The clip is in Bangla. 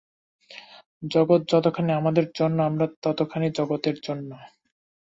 জগৎ যতখানি আমাদের জন্য, আমরাও ততখানি জগতের জন্য।